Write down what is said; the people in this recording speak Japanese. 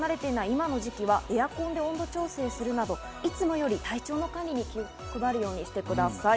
今の時期はエアコンなどで温度調整をするなど、より体調の管理に気を配るようにしてください。